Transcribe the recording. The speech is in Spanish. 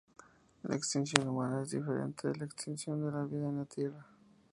La extinción humana es diferente de la extinción de la vida en la Tierra.